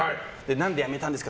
何で辞めたんですか？